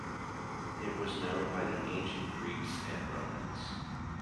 It was known by the Ancient Greeks and Romans.